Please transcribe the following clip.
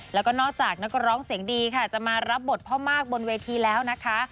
แล้วก็นอกจากนักร้องเสียงดีค่ะจะมารับบทพ่อมากบนเวทีแล้วนะคะ